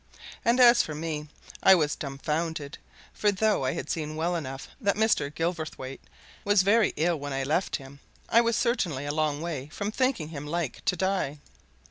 And as for me, I was dumbfounded, for though I had seen well enough that Mr. Gilverthwaite was very ill when I left him, I was certainly a long way from thinking him like to die.